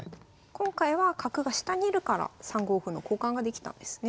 今回は角が下にいるから３五歩の交換ができたんですね。